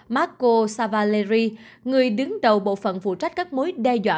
marco savaleri người đứng đầu bộ phận phụ trách các mối đe dọa